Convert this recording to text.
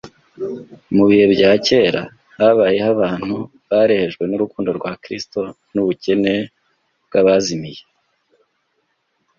Mu bihe byahise habayeho abantu barehejwe n’urukundo rwa Kristo n’ubukene bw’abazimiye.